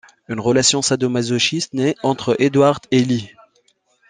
Une relation sado-masochiste naît entre Edward et Lee.